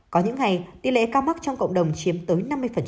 có những ngày tỷ lệ ca mắc trong cộng đồng chiếm tới năm mươi